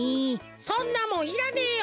そんなもんいらねえよ。